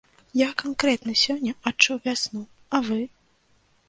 Я канкрэтна сёння адчуў вясну, а вы?